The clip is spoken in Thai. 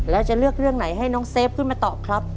แล้วจะเลือกเรื่องไหนให้น้องเซฟขึ้นมาตอบครับ